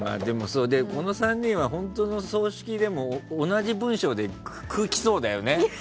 この３人は本当の葬式でも同じ文章で来そうだよね。